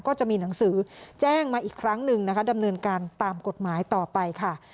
ก็จะมีหนังสือแจ้งมาอีกครั้งหนึ่งนะคะดำเนินการตามกฎหมายต่อไปค่ะ